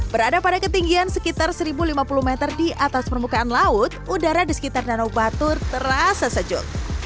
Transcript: berada pada ketinggian sekitar satu lima puluh meter di atas permukaan laut udara di sekitar danau batur terasa sejuk